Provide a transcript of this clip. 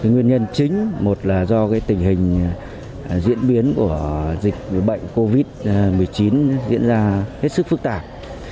nguyên nhân chính một là do tình hình diễn biến của dịch bệnh covid một mươi chín diễn ra hết sức phức tạp